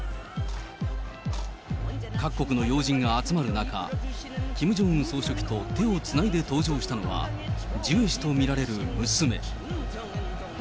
各国の要人が集まる中、キム・ジョンウン総書記と手をつないで登場したのは、ジュエ氏と見られる娘。